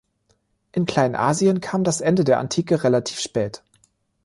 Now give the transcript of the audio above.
In Kleinasien kam das Ende der Antike relativ spät.